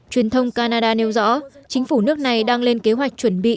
truyền thông canada nêu rõ chính phủ nước này đang lên kế hoạch chuẩn bị